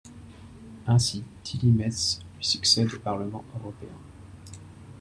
Ainsi, Tilly Metz lui succède au Parlement européen.